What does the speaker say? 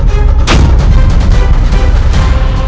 jepat katakan dimanahnya zana